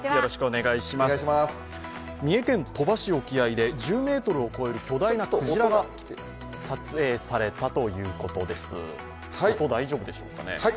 三重県鳥羽市沖合で１０ｍを超えるクジラが撮影されたということです。